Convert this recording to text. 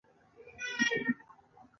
د میدان وردګو په جغتو کې د څه شي نښې دي؟